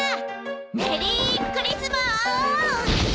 メリークリスマ！